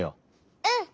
うん！